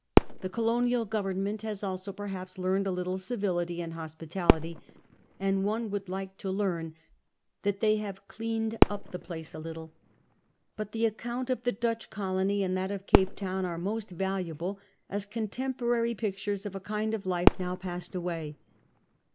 The colonial govern ment has also, perhaps, learned a little civility and hospitality; and one would like to learn that they have cleaned up the place a little. But the account of that Dutch colony and that of Cape Town are most valuable as contemporary pictures of a kind of life now passed away.